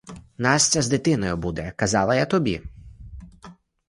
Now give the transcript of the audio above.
Настя з дитиною буде, казала я тобі?